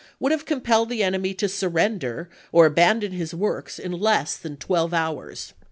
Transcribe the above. Ibid would ha\ e compelled the enemy to surrender or abandon p. 348. his works in less than twelve hours.